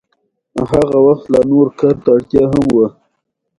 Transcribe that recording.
ډيپلومات د سیاسي کړنو اغېز ارزوي.